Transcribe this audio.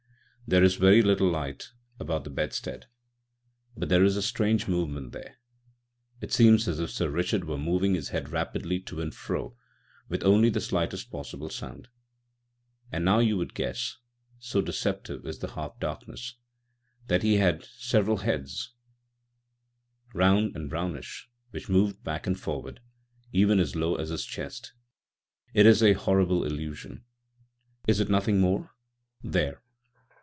There is very little light about the bedstead, but there is a strange movement there; it sees as if Sir Richard were moving his head rapidly to and fro with only the slightest possible sound. And now you would guess, so deceptive is the half darkness, that he had several heads, round and brownish, which move back and forward, even as low as his chest. It is a horrible illusion. Is it nothing more? There!